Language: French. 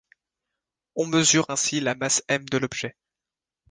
On mesure ainsi la masse M de l'objet.